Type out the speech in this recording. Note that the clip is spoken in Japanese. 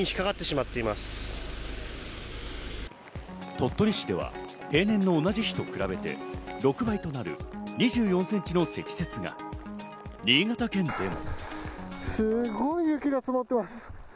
鳥取市では平年の同じ日と比べて６倍となる２４センチの積雪が新潟県でも。